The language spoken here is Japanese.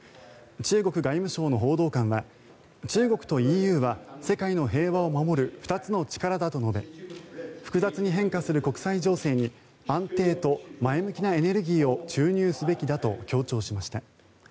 中国外務省の報道官は中国とＥＵは世界の平和を守る２つの力だと述べ複雑に変化する国際情勢に安定と前向きなエネルギーを注入すべきだと強調しました。